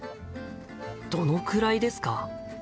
どのくらいですか？